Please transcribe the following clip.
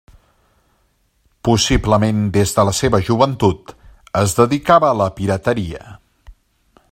Possiblement des de la seva joventut es dedicava a la pirateria.